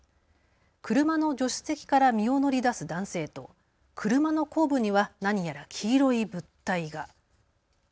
車の助手席から身を乗り出す男性と車の後部には何やら黄色い物体が。